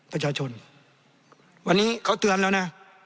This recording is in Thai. ประชาชนวันนี้เขาเตือนแล้วนะ